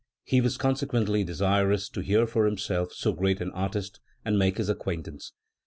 He was consequently desirous to hear for himself so great an artist, and make his acquaintance.